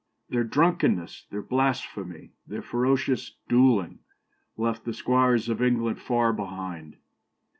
Their drunkenness, their blasphemy, their ferocious duelling, left the squires of England far behind.